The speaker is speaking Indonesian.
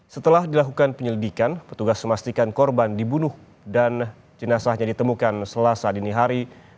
setelah dilakukan penyelidikan petugas memastikan korban dibunuh dan jenazahnya ditemukan selasa dini hari